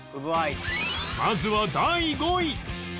まずは第５位